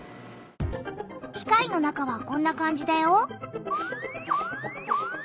機械の中はこんな感じだよ。